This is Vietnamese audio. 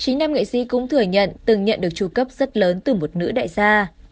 chín năm nghệ sĩ cũng thừa nhận từng nhận được tru cấp rất lớn từ một nữ đại gia